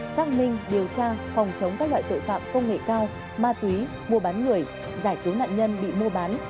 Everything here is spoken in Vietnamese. xác minh điều tra phòng chống các loại tội phạm công nghệ cao ma túy mua bán người giải cứu nạn nhân bị mua bán